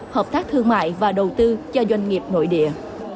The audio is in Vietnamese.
hợp tác thương mại và đầu tư cho doanh nghiệp nội địa